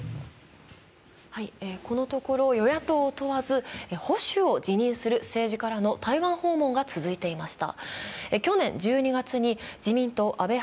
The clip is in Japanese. このところ、与野党を問わず保守を辞任する政治家らの台湾訪問が続いていました。